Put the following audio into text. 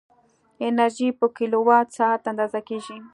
انرژي په کیلووات ساعت اندازه کېږي.